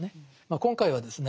今回はですね